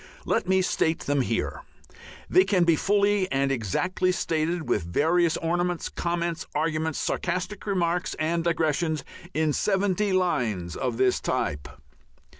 Let me state them here; they can be fully and exactly stated, with various ornaments, comments, arguments, sarcastic remarks, and digressions, in seventy lines of this type.